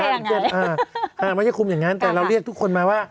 ไม่ใช่คุมอย่างนั้นแต่เราเรียกทุกคนมาว่า